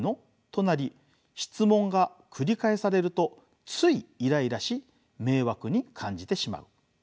となり質問が繰り返されるとついイライラし迷惑に感じてしまう。